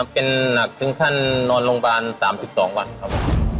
เป็นหนักถึงขั้นนอนโรงพยาบาล๓๒วันครับ